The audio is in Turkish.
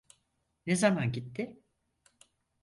Ne zaman gitti?